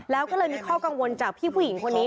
แล้วก็เลยมีข้อกังวลจากพี่ผู้หญิงคนนี้